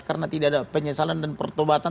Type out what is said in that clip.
karena tidak ada penyesalan dan pertobatan